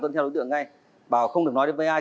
tuân theo đối tượng ngay bảo không được nói đến với ai